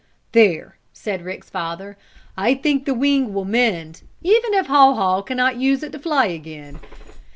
"There," said Rick's father. "I think the wing will mend, even if Haw Haw can not use it to fly again.